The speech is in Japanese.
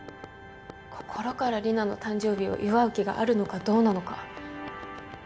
心からリナの誕生日を祝う気があるのかどうなのか。